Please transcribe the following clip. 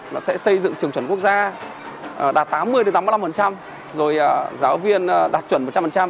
là sẽ xây dựng trường chuẩn quốc gia đạt tám mươi tám mươi năm rồi giáo viên đạt chuẩn một trăm linh